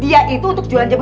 bisa berubah juga